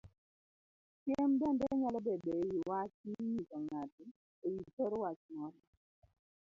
Siem bende nyalo bedo ewii wach minyiso ng'ato ewi thor wach moro